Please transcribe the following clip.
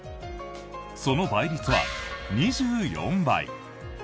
その倍率は２４倍！